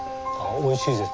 おいしいです。